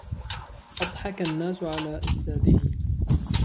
أَضْحَك الناس على أستاذه.